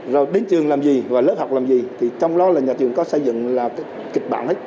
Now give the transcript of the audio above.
rồi đến trường làm gì và lớp học làm gì thì trong đó là nhà trường có xây dựng kịch bản hết